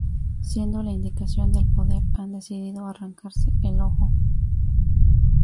siguiendo la indicación del poder han decidido arrancarse el ojo